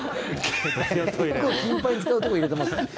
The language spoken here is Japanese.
すごい頻繁に使うところに入れてますね。